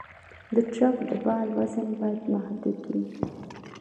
د ټرک د بار وزن باید محدود وي.